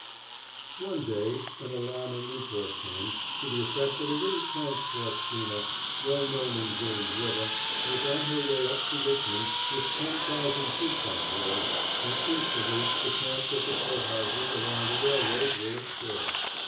One day an alarming report came, to the effect that a little transport steamer, well known in James River, was on her way up to Richmond with ten thousand troops on board, and instantly the camps at the court houses along the railroads were astir.